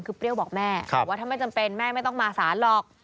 คือเปรี้ยวบอกแม่ว่าถ้าไม่จำเป็นแม่ไม่ต้องมาสารหรอก